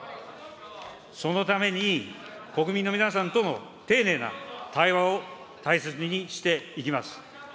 そのために、国民の皆さんとの丁寧な対話を大切にしていきます。